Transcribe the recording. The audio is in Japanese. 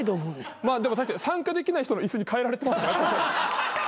確かに参加できない人の椅子に換えられてますね。